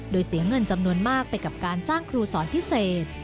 โดยเสียเงินจำนวนมากไปกับการจ้างครูสอนพิเศษ